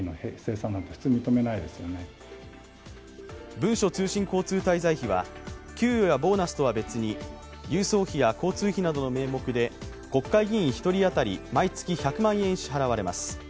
文書通信交通滞在費は給与やボーナスとは別に郵送費や交通費などの名目で国会議員１人当たり毎月１００万円支払われます。